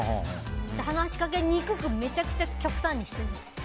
話しかけにくくめちゃくちゃ極端にしてる。